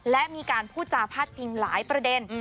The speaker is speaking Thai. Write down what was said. และมีการพูดจาพาดพิงหลายประเด็น